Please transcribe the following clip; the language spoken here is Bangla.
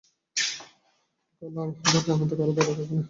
কাব আল-আহবার বলেন, জান্নাতে কারো দাড়ি থাকবে না।